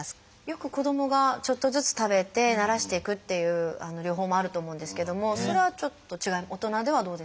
よく子どもがちょっとずつ食べてならしていくっていう療法もあると思うんですけれどもそれはちょっと違う？